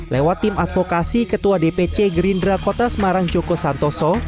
lewat tim advokasi ketua dpc gerindra kota semarang joko santoso